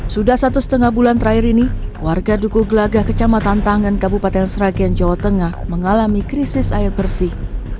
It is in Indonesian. sudah satu setengah bulan terakhir ini warga dukuh gelagah kecamatan tangan kabupaten sragen jawa tengah mengalami krisis air bersih